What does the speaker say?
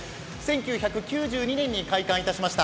１９９２年に開館いたしました。